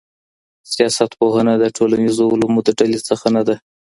سياست پوهنه د ټولنیزو علومو د ډلې څخه نه ده.